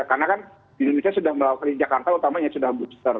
karena kan indonesia sudah melakukan di jakarta utamanya sudah booster